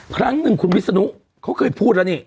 ครั้งหนึ่งคุณวิศนุเขาเคยพูดแล้วนี่